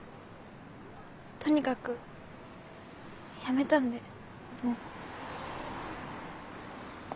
とにかく辞めたんでもう。